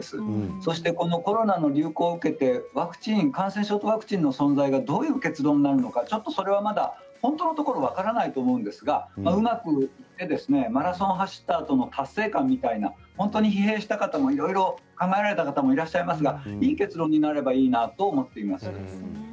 そしてこのコロナの流行を受けてワクチンと感染症の存在がどういう結論になるのかちょっとそれはまだ本当のところは分からないと思うんですがうまくやってマラソンを走ったあとの達成感みたいな本当に疲弊した方もいろいろ考えられた方もいると思いますがいい結論になればいいなと思っています。